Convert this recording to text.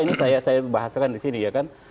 ini saya bahasakan disini ya kan